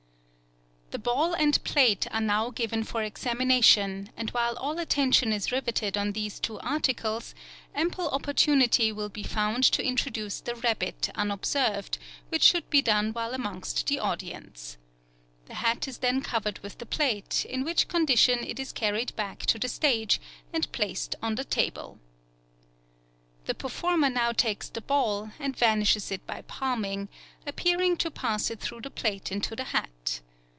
Fig. 21. Apparatus for Magetized Hat. The ball and plate are now given for examination, and while all attention is riveted on these two articles, ample opportunity will be found to introduce the rabbit unobserved, which should be done while amongst the audience. The hat is then covered with the plate, in which condition it is carried back to the stage, and placed on the table. The performer now takes the ball, and vanishes it by palming; appearing to pass it through the plate into the hat.